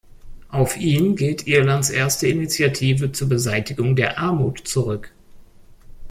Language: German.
Auf ihn geht Irlands erste Initiative zur Beseitigung der Armut zurück.